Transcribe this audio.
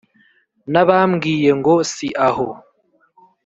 na bambwiye ngo si aho,